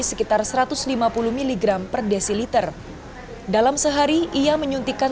sekitar satu ratus lima puluh mg per desiliter dalam sehari ia menyuntikkan